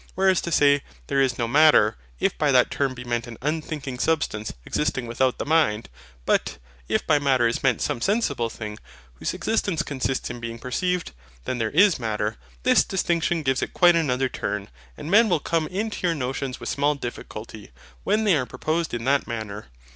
Whereas to say There is no MATTER, if by that term be meant an unthinking substance existing without the mind; but if by MATTER is meant some sensible thing, whose existence consists in being perceived, then there is MATTER: THIS distinction gives it quite another turn; and men will come into your notions with small difficulty, when they are proposed in that manner.